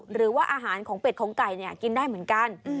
หรือว่าอาหารของเป็ดของไก่กินได้เหมือนกัน